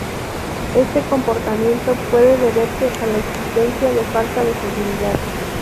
Este comportamiento puede deberse a la existencia de falta de seguridad.